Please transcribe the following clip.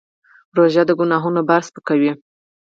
روژه د ګناهونو بار سپکوي.